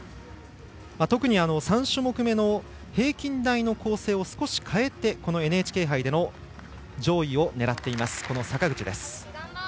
特に３種目めの平均台の構成を少し変えてＮＨＫ杯での上位を狙っています、坂口です。